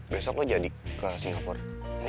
besok lo jadi ke singapura